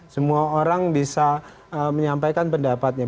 semua orang bisa menyampaikan pendapatnya